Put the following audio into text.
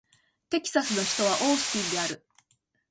テキサス州の州都はオースティンである